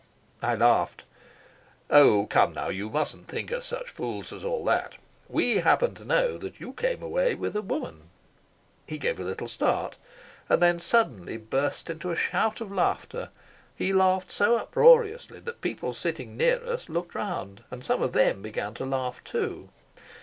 I laughed. "Oh, come now; you mustn't think us such fools as all that. We happen to know that you came away with a woman." He gave a little start, and then suddenly burst into a shout of laughter. He laughed so uproariously that people sitting near us looked round, and some of them began to laugh too.